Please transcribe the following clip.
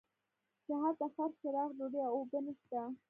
چې هلته فرش چراغ ډوډۍ او اوبه نشته.